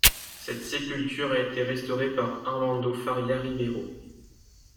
Cette sépulture a été restaurée par Armando Faria Ribeiro.